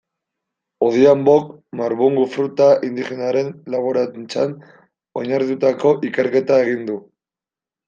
Odhiambok marbungu fruta indigenaren laborantzan oinarritututako ikerketa egin du.